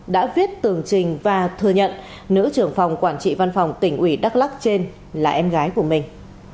đã viết tường trình và thừa nhận nữ trưởng phòng quản trị văn phòng tỉnh ủy đắk lắc trên là em gái của mình